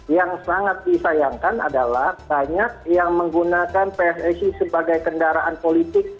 yang sangat disayangkan adalah banyak yang menggunakan pssi sebagai kendaraan politik